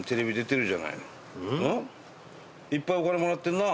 いっぱいお金もらってんな。